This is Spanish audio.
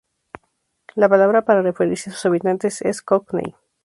La palabra para referirse a sus habitantes es cockney.